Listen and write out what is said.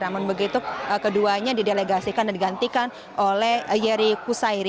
namun begitu keduanya didelegasikan dan digantikan oleh yeri kusairi